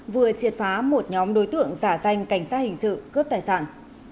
vừa triệt phá một nhóm đối tượng giả danh cảnh sát hình sự cướp tài sản